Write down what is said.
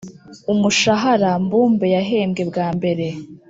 umushahara mbumbe yahembwe bwa mbere